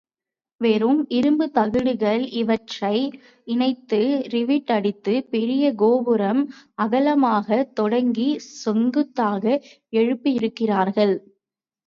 வெறும் இரும்புத் தகடுகள் இவற்றை இணைத்து ரிவிட் அடித்துப் பெரிய கோபுரம் அகலமாகத் தொடங்கிச் செங்குத்தாக எழுப்பி இருக்கிறார்கள்.